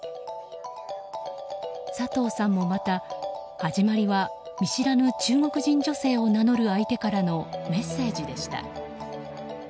佐藤さんもまた、始まりは見知らぬ中国人女性を名乗る相手からのメッセージでした。